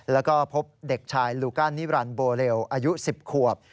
แล้วก็พบเด็กชายลูก้านิรันดิโบเรลอายุ๑๐ขวบ